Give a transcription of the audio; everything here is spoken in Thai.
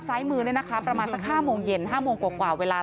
ซ้ายมือเนี่ยนะคะประมาณสัก๕โมงเย็น๕โมงกว่าเวลา